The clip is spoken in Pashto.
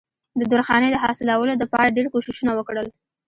د درخانۍ د حاصلولو د پاره ډېر کوششونه وکړل